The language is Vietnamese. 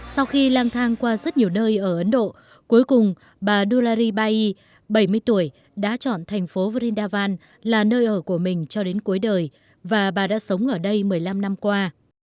sau khi lang thang qua rất nhiều nơi ở ấn độ cuối cùng bà dularibay bảy mươi tuổi đã chọn thành phố brindavan là nơi ở của mình cho đến cuối đời và bà đã sống ở đây một mươi năm năm qua